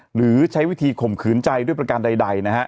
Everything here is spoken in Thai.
หรือใช้วิธีข่มขืนใจด้วยประการใดนะฮะ